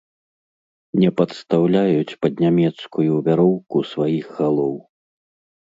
Не падстаўляюць пад нямецкую вяроўку сваіх галоў.